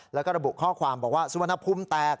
แล้วก็ระบุข้อความบอกว่าสุวรรณภูมิแตก